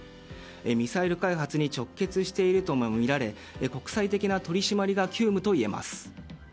ミサイル開発に直結しているともみられ国際的な取り締まりが急務といえます。